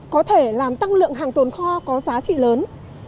có thể làm tăng lượng hàng tồn kho có giá trị lớn